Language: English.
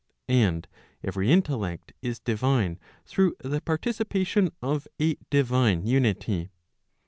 And every intellect is divine through the participation of a divine unity.